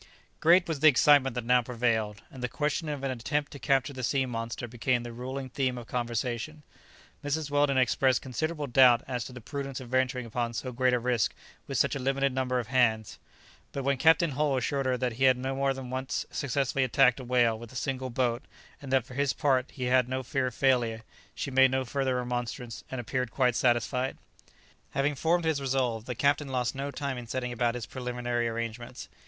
Great was the excitement that now prevailed, and the question of an attempt to capture the sea monster became the ruling theme of conversation. Mrs. Weldon expressed considerable doubt as to the prudence of venturing upon so great a risk with such a limited number of hands, but when Captain Hull assured her that he had more than once successfully attacked a whale with a single boat, and that for his part he had no fear of failure, she made no further remonstrance, and appeared quite satisfied. Having formed his resolve, the captain lost no time in setting about his preliminary arrangements.